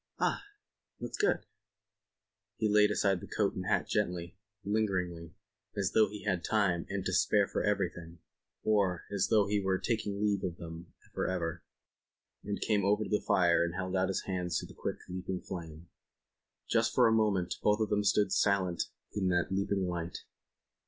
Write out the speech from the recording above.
"Ah! That's good." He laid aside his coat and hat gently, lingeringly, as though he had time and to spare for everything, or as though he were taking leave of them for ever, and came over to the fire and held out his hands to the quick, leaping flame. Just for a moment both of them stood silent in that leaping light.